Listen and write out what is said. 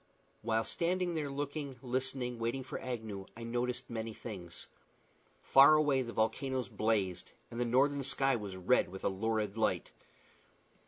While standing there looking, listening, waiting for Agnew, I noticed many things. Far away the volcanoes blazed, and the northern sky was red with a lurid light.